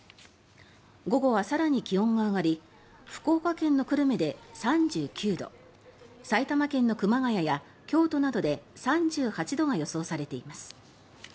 午後は更に気温が上がり福岡県の久留米で３９度埼玉県の熊谷や京都などで３８度が予想されています。